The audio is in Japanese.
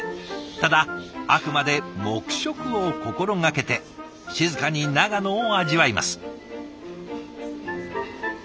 ただあくまで黙食を心掛けて静かに長野を味わいます。